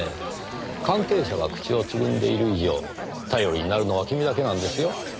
関係者が口をつぐんでいる以上頼りになるのは君だけなんですよ。